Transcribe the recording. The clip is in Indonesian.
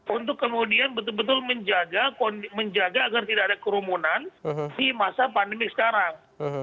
untuk kemudian betul betul menjaga agar tidak ada kerumunan di masa pandemi sekarang